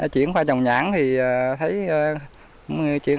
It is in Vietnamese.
chuyển qua trồng nhãn thì thấy lợi ăn lúa khoảng năm mươi